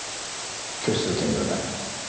拒否する権利はない。